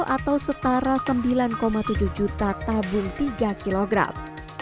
atau setara sembilan tujuh juta tabung tiap